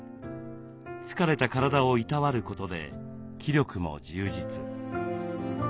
疲れた体をいたわることで気力も充実。